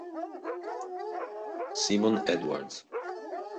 Simone Edwards